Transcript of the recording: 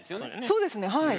そうですねはい。